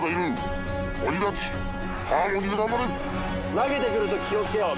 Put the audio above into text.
投げてくる時気をつけよう